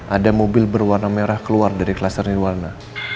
ada mobil berwarna merah keluar dari klaster nirwana